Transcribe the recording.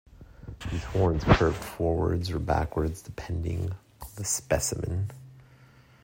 These horns curved forwards or backwards depending on the specimen.